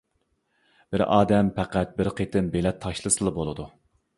بىر ئادەم پەقەت بىر قېتىم بېلەت تاشلىسىلا بولىدۇ.